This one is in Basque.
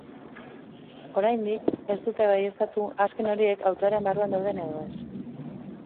Oraindik, ez dute baieztatu azken horiek autoaren barruan dauden edo ez.